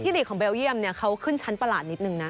หลีกของเบลเยี่ยมเขาขึ้นชั้นประหลาดนิดนึงนะ